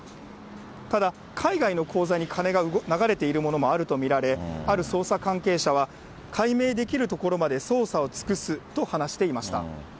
ただ、海外の口座に金が流れているものもあると見られ、ある捜査関係者は、解明できるところまで捜査を尽くすと話していました。